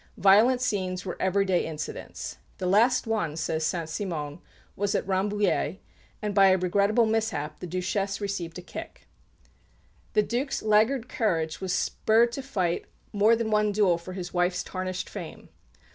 Violent scenes were everyday incidents. "The last one," says Saint Simon, "was at Rambouillet; and, by a regrettable mishap, the Duchesse received a kick." The Duc's laggard courage was spurred to fight more than one duel for his wife's tarnished fame.